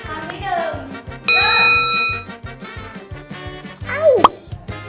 สังพันธ์ที่๑